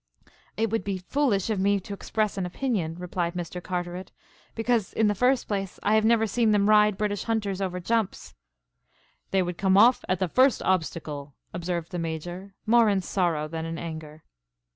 "It would be foolish of me to express an opinion," replied Mr. Carteret, "because, in the first place, I have never seen them ride British Hunters over jumps " "They would come off at the first obstacle," observed the Major, more in sorrow than in anger.